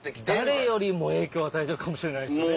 誰よりも影響与えてるかもしれないですよね。